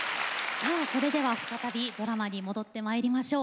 さあそれでは再びドラマに戻ってまいりましょう。